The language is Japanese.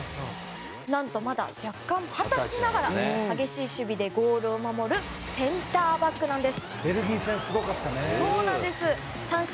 なんとまだ弱冠２０歳ながら激しい守備でゴールを守るセンターバックなんです。